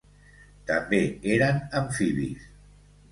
També eren amfibis.